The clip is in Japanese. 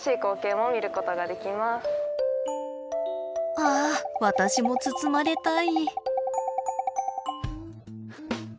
あ私も包まれたい。